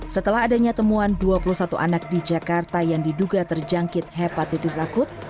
setelah adanya temuan dua puluh satu anak di jakarta yang diduga terjangkit hepatitis akut